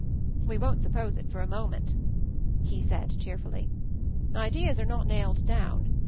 "We won't suppose it for a moment," he said cheerfully. "Ideas are not nailed down.